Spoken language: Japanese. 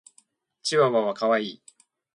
チワワは可愛い。